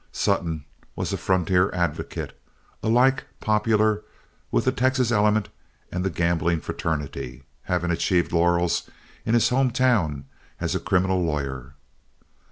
Sutton was a frontier advocate, alike popular with the Texas element and the gambling fraternity, having achieved laurels in his home town as a criminal lawyer.